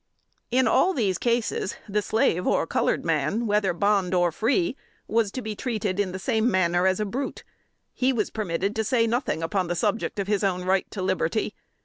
In all these cases, the slave or colored man, whether bond or free, was to be treated in the same manner as a brute. He was permitted to say nothing upon the subject of his own right to liberty.